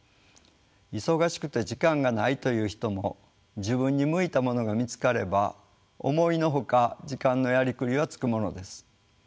忙しくて時間がないという人も自分に向いたものが見つかれば思いの外時間のやりくりはつくものです。